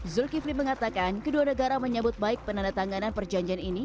zulkifli mengatakan kedua negara menyambut baik penandatanganan perjanjian ini